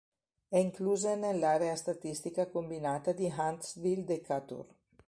È inclusa nell'area statistica combinata di Huntsville-Decatur.